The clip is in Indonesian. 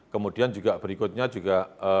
kemudian juga berikutnya juga